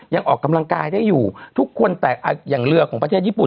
ยังออกกำลังกายได้อยู่ทุกคนแต่อย่างเรือของประเทศญี่ปุ่น